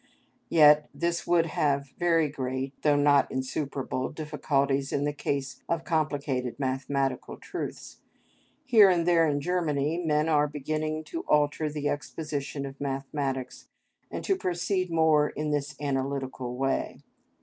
Yet this would have very great, though not insuperable, difficulties in the case of complicated mathematical truths. Here and there in Germany men are beginning to alter the exposition of mathematics, and to proceed more in this analytical way.